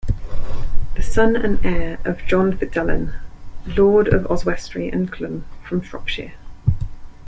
The son and heir of John Fitzalan, Lord of Oswestry and Clun, from Shropshire.